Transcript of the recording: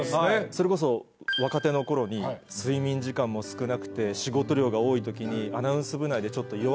それこそ若手の頃に睡眠時間も少なくて仕事量が多い時に。